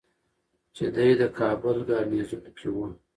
چې دی د کابل ګارنیزیون کې ؤ